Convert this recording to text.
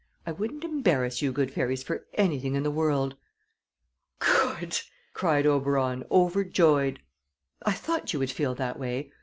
I wouldn't embarrass you good fairies for anything in the world." "Good!" cried Oberon, overjoyed. "I thought you would feel that way.